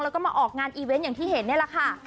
แล้วก็มาออกงานอีเวนต์อย่างที่เห็นนี่แหละค่ะ